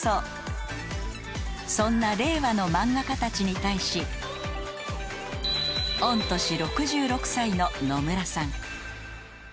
［そんな令和の漫画家たちに対し御年６６歳ののむらさん］